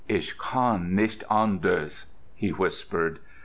"Ich kann nicht anders," he whispered.